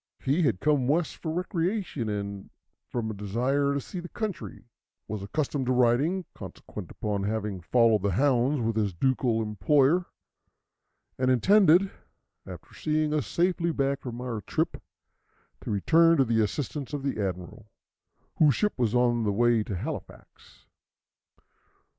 He had come west for recreation and from a desire to see the country, was accustomed to riding, consequent upon having followed the hounds with his ducal employer, and intended, after seeing us safely back from our trip, to return to the assistance of the admiral, whose ship was on the way to Halifax.